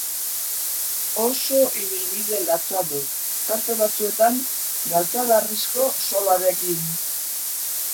Oso ibilbide latza du, tarte batzuetan galtzadarrizko zolarekin.